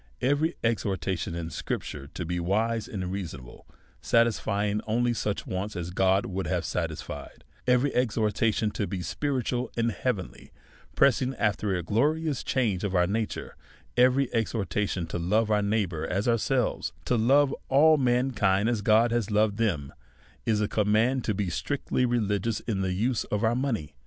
Every exhortation in scripture to be wise and rea sonable, satisfying only such Avants as God would have satisfied ; every exhortation to be spiritual and heavenly, pressing after a glorious change of our na ture ; every exhortation to love our neighbour as our selves, to love all mankind as God has loved them, is a command to be strictly religious in the use of our money.